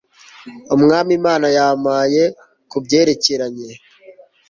Umwami Imana yampaye ku byerekeranye